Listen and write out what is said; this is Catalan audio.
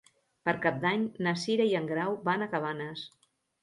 Per Cap d'Any na Cira i en Grau van a Cabanes.